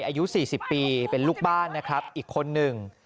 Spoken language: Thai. อายุ๔๐ปีเป็นลูกบ้านนะครับอีกคนหนึ่ง